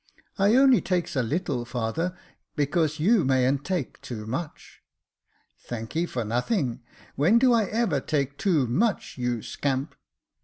" I only takes a little, father, because you mayn't take too much." " Thanky for nothing ; when do I ever take too much, you scamp